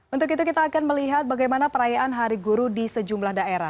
untuk itu kita akan melihat bagaimana perayaan hari guru di sejumlah daerah